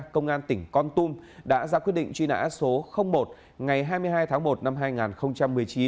công an tỉnh con tum đã ra quyết định truy nã số một ngày hai mươi hai tháng một năm hai nghìn một mươi chín